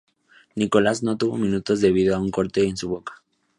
Nicolás no tuvo minutos debido a un corte en su boca.